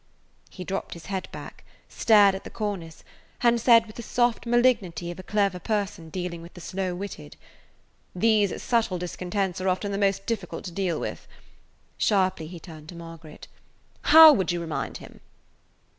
He dropped his head back, stared at the cornice, and said with the soft malignity of a clever person dealing with the slow witted. [Page 166] "These subtle discontents are often the most difficult to deal with." Sharply he turned to Margaret. "How would you remind him?"